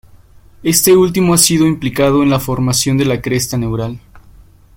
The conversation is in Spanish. Este último ha sido implicado en la formación de la cresta neural.